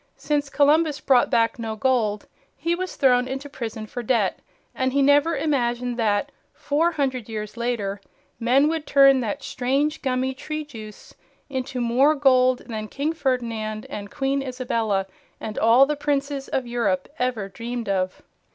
Since Columbus brought back no gold, he was thrown into prison for debt, and he never imagined that, four hundred years later, men would turn that strange, gummy tree juice into more gold than King Ferdinand and Queen Isabella and all the princes of Europe ever dreamed of.